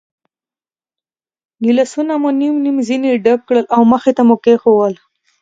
ګیلاسونه مو نیم نیم ځنې ډک کړل او مخې ته مو کېښوول.